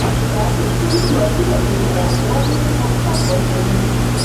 پرانیستي سیاسي بنسټونه ودې فرصت ورکوي.